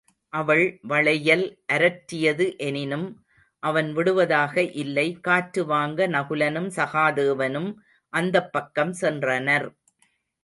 அவள் வளையல் அரற்றியது எனினும் அவன் விடுவதாக இல்லை காற்று வாங்க நகுலனும் சகாதேவனும் அந்தப்பக்கம் சென்றனர்.